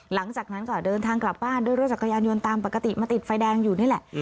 หลังจากนั้นก็เดินทางกลับบ้านด้วยรถจักรยานยนต์ตามปกติมาติดไฟแดงอยู่นี่แหละ